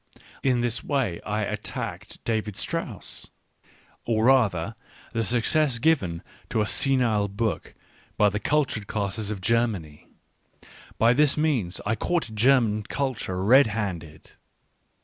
In this way I attacked David Strauss, or rather the success given to a senile book by the cultured classes of Germany — by this means I caught German culture red handed.